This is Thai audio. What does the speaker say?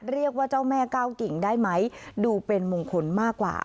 เรียกว่าเจ้าแม่ก้าวกิ่งได้ไหมดูเป็นมงคลมากกว่า